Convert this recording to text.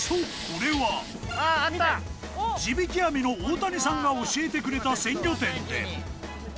これは地引網の大谷さんが教えてくれた鮮魚店で